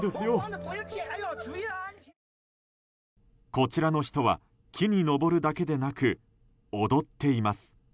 こちらの人は木に登るだけでなく踊っています。